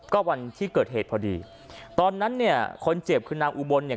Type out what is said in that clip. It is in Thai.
ก็วันที่เกิดเหตุพอดีตอนนั้นเนี่ยคนเจ็บคือนางอุบลเนี่ย